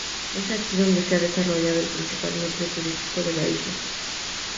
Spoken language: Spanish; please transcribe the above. Es aquí donde se ha desarrollado el principal núcleo turístico de la isla.